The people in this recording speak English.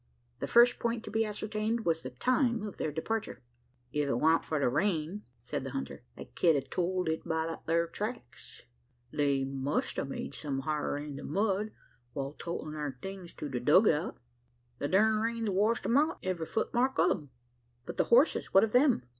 The first point to be ascertained was the time of their departure. "If it wan't for the rain," said the hunter, "I ked a told it by thar tracks. They must a made some hyar in the mud, while toatin' thar things to the dug out. The durned rain's washed 'em out every footmark o' 'em." "But the horses? what of them?